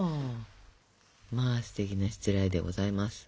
まあすてきなしつらえでございます。